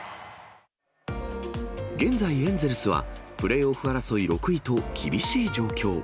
現在、エンゼルスは、プレーオフ争い６位と厳しい状況。